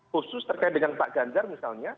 khusus terkait dengan pak ganjar misalnya